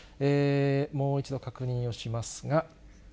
もう一度確認をしますが。